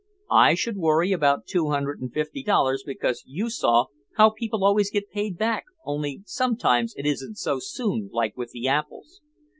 "I should worry about two hundred and fifty dollars because you saw how people always get paid back only sometimes it isn't so soon like with the apples.